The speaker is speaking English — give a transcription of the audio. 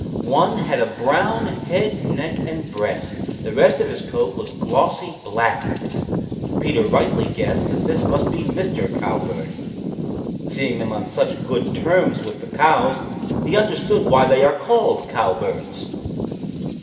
One had a brown head, neck and breast; the rest of his coat was glossy black. Peter rightly guessed that this must be Mr. Cowbird. Seeing them on such good terms with the cows he understood why they are called Cowbirds.